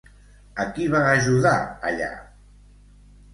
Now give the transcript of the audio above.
A qui va ajudar allà?